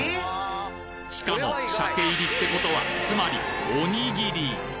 しかも鮭入りって事はつまりおにぎり！